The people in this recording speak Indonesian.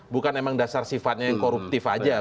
bukan emang dasar sifatnya yang koruptif aja